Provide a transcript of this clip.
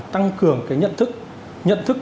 tăng cường cái nhận thức